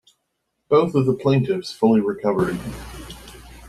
Both of the plaintiffs fully recovered.